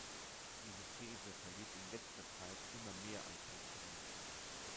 Diese These verliert in letzter Zeit immer mehr an Zustimmung.